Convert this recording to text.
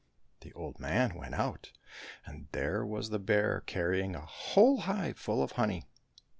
" The old man went out, and there was the bear carrying a whole hive full of honey.